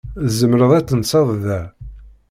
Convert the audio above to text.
Tzemreḍ ad tenseḍ da.